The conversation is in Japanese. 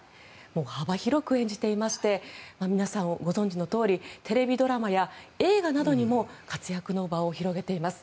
幅広く演じていまして皆さんご存じのとおりテレビドラマや映画などにも活躍の場を広げています。